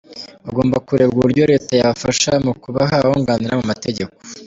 Hagomba kurebwa uburyo Leta yabafasha mu kubaha ababunganira mu mategeko.